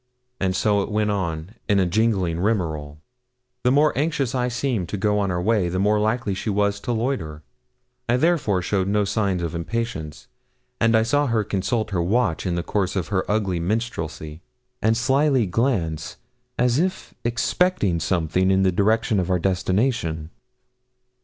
And so it went on, in a gingling rigmarole. The more anxious I seemed to go on our way, the more likely was she to loiter. I therefore showed no signs of impatience, and I saw her consult her watch in the course of her ugly minstrelsy, and slyly glance, as if expecting something, in the direction of our destination.